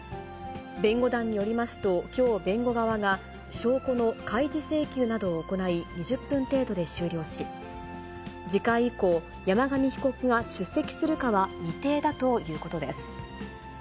弁護団によりますと、きょう、弁護側が、証拠の開示請求などを行い、２０分程度で終了し、次回以降、山上被告が出席するかは未定だということです。